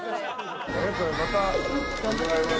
ありがとうございます。